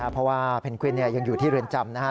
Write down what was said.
เพราะว่าเพนกวินยังอยู่ที่เรือนจำนะฮะ